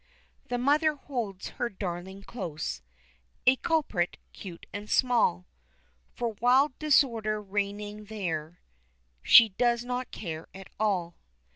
The mother holds her darling close A culprit, cute and small For wild disorder reigning there She does not care at all.